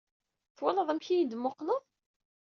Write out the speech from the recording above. Twalaḍ amek iyi-d-temmuqqleḍ?